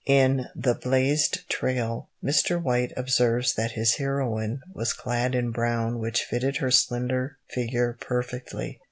In The Blazed Trail, Mr. White observes that his heroine was clad in brown which fitted her slender figure perfectly.